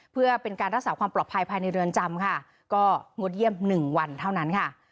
เพื่อเป็นการรักษาความปลอดภัยภายในเรือนจำค่ะก็งดเยี่ยม๑วันเท่านั้นค่ะ